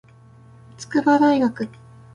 筑波大学